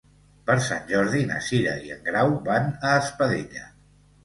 Per Sant Jordi na Cira i en Grau van a Espadella.